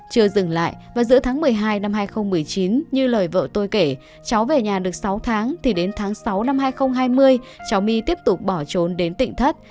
chưa dừng lại và giữa tháng một mươi hai năm hai nghìn một mươi chín như lời vợ tôi kể cháu về nhà được sáu tháng thì đến tháng sáu năm hai nghìn hai mươi cháu my tiếp tục bỏ trốn đến tỉnh thất